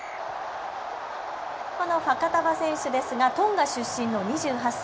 このファカタヴァ選手ですがトンガ出身の２８歳。